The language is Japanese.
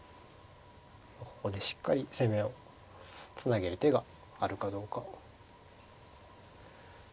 ここでしっかり攻めをつなげる手があるかどうか。